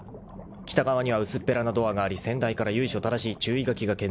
［北側には薄っぺらなドアがあり先代から由緒正しい注意書きが健在である］